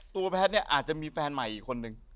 ตัวแพทย์เนี่ยอาจจะมีแฟนใหม่อีกคนนึง